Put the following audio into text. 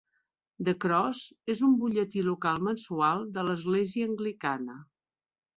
"The Cross" és un butlletí local mensual de l"església anglicana.